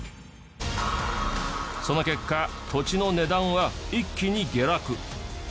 その結果土地の値段は一気に下落。